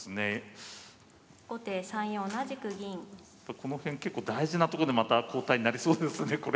この辺結構大事なとこでまた交代になりそうですねこれ。